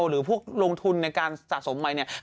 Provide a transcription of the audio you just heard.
หรือพวกลงทุนในการสะสมไปเนี่ย